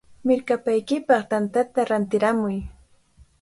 ¡Mirkapaykipaq tantata rantiramuy!